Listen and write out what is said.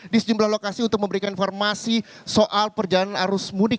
di sejumlah lokasi untuk memberikan informasi soal perjalanan arus mudik